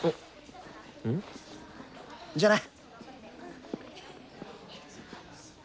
じゃあな。